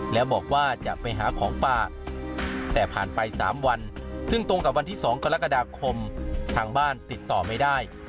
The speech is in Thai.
แล้วบอกว่าจะไปหาของป่าแต่ผ่านไป๓วันซึ่งตรงกับวันที่๒กรกฎาคมทางบ้านติดต่อไม่ได้